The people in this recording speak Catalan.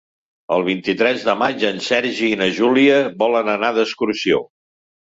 El vint-i-tres de maig en Sergi i na Júlia volen anar d'excursió.